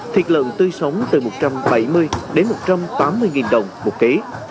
thịt lợn tươi sống từ một trăm bảy mươi đến một trăm tám mươi đồng một ký